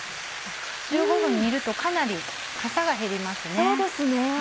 １５分煮るとかなりかさが減りますね。